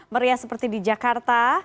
meriah seperti di jakarta